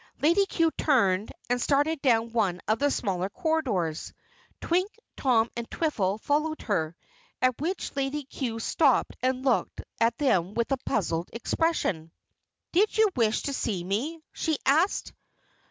Lady Cue turned and started off down one of the smaller corridors. Twink, Tom, and Twiffle followed her, at which Lady Cue stopped and looked at them with a puzzled expression. "Did you wish to see me?" she asked.